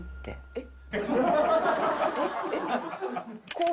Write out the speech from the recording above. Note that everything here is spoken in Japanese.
えっ！？